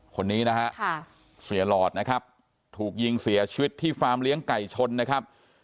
คนนี้นะฮะเสียหลอดนะครับถูกยิงเสียชีวิตที่ฟาร์มเลี้ยงไก่ชนนะครับ